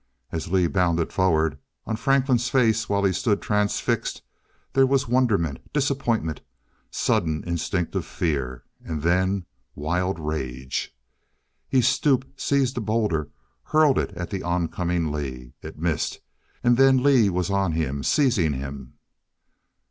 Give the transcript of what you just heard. As Lee bounded forward, on Franklin's face while he stood transfixed, there was wonderment disappointment sudden instinctive fear and then wild rage. He stooped; seized a boulder, hurled it at the oncoming Lee. It missed; and then Lee was on him, seizing him.